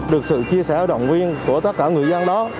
được sự chia sẻ động viên của tất cả người dân đó